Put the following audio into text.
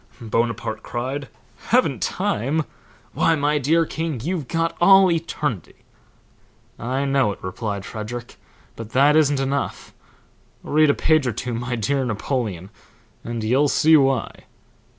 Bonaparte cried, 'Haven't time? Why, my dear king, you've got all eternity.' 'I know it,' replied Frederick, 'but that isn't enough. Read a page or two, my dear Napoleon, and you'll see why.'"